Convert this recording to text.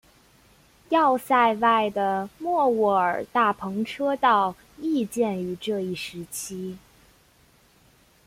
要塞外的莫卧尔大篷车道亦建于这一时期。